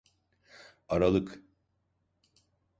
Aralık.